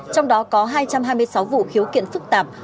trong đó có hai trăm hai mươi sáu vụ khiếu kiện phức tạp